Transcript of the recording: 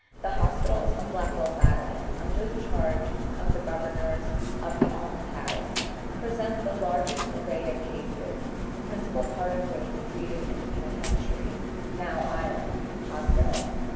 The hospitals on Blackwell's Island, under the charge of the Governors of the Alms house, present the largest array of cases, the principal part of which were treated in the Penitentiary (now Island) Hospital.